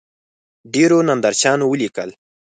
ډېرو نندارچیانو ولیکل